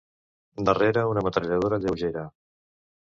Darrere una metralladora lleugera.